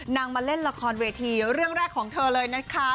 มาเล่นละครเวทีเรื่องแรกของเธอเลยนะคะ